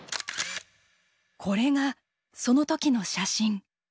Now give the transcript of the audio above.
これがその時の写真。